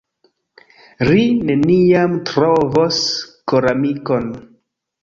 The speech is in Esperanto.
"Ri neniam trovos koramikon."